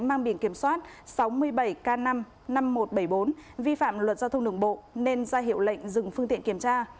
mang biển kiểm soát sáu mươi bảy k năm mươi năm nghìn một trăm bảy mươi bốn vi phạm luật giao thông đường bộ nên ra hiệu lệnh dừng phương tiện kiểm tra